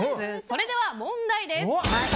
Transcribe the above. それでは問題です。